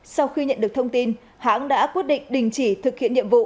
sau khi nhận được thông tin hãng đã quyết định đình chỉ thực hiện nhiệm vụ